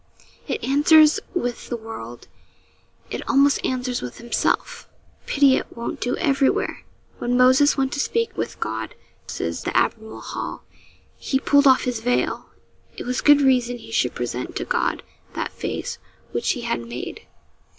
It answers with the world; it almost answers with himself. Pity it won't do everywhere! 'When Moses went to speak with God,' says the admirable Hall, 'he pulled off his veil. It was good reason he should present to God that face which he had made.